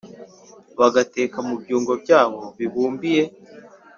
bagateka mu byungo byabo bibumbiye